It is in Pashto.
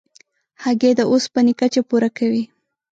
هګۍ د اوسپنې کچه پوره کوي.